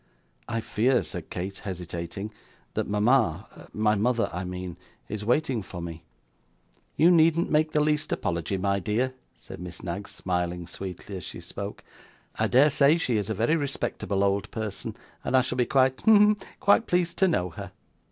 'I fear,' said Kate, hesitating, 'that mama my mother, I mean is waiting for me.' 'You needn't make the least apology, my dear,' said Miss Knag, smiling sweetly as she spoke; 'I dare say she is a very respectable old person, and I shall be quite hem quite pleased to know her.